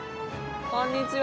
こんにちは！